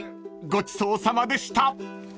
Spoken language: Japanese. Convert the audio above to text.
ごちそうさまでした］